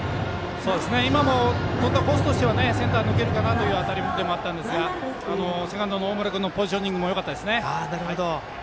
今も飛んだコースとしてはセンター抜けるかなという当たりでもあったんですがセカンドの大村君のポジショニングもよかったですね。